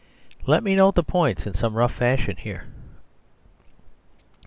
Let me note the points in some rough fashion here.